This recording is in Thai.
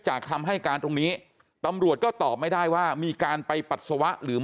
คำให้การตรงนี้ตำรวจก็ตอบไม่ได้ว่ามีการไปปัสสาวะหรือไม่